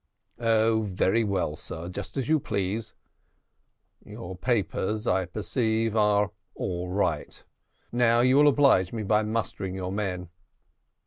"Oh, very well, sir just as you please. Your papers I perceive are all right. Now you will oblige me by mustering your men."